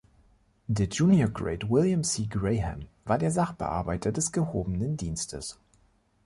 Der Junior Grade William C. Graham war der Sachbearbeiter des gehobenen Dienstes.